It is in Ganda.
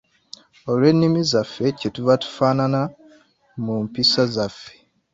Olw'ennimi zaffe, kyetuva tufaanana mu mpisa zaffe.